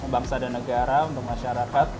bangsa dan negara untuk masyarakat